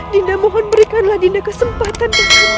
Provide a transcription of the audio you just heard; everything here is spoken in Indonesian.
dinda mohon berikanlah dinda kesempatan